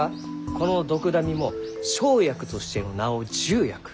このドクダミも生薬としての名を「ジュウヤク」。